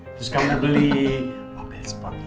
terus kamu beli mobil sport